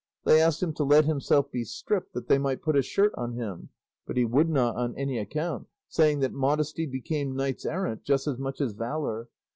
They asked him to let himself be stripped that they might put a shirt on him, but he would not on any account, saying that modesty became knights errant just as much as valour.